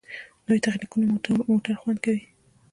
نوې تخنیکونه موټر خوندي کوي.